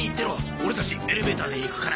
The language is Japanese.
オレたちエレベーターで行くから。